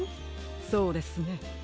そうですね。